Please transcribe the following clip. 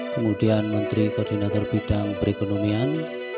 kemudian menteri koordinator bidang perekonomian